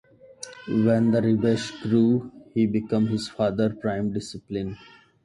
When the Rabash grew, he became his father's prime disciple.